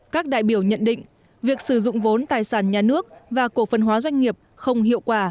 các đại biểu nhận định việc sử dụng vốn tài sản nhà nước và cổ phần hóa doanh nghiệp không hiệu quả